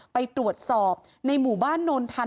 ไปตรวจสอบในหมู่บ้านโนนทัน